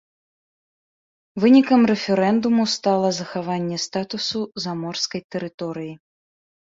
Вынікам рэферэндуму стала захаванне статусу заморскай тэрыторыі.